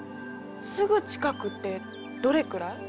すぐ近くってどれくらい？